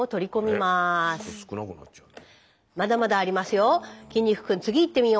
まだまだありますよ。